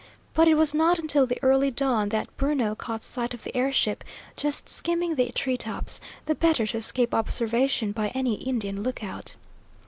But it was not until the early dawn that Bruno caught sight of the air ship, just skimming the tree tops, the better to escape observation by any Indian lookout.